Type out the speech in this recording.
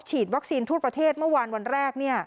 วัคซีนทั่วประเทศเมื่อวานวันแรก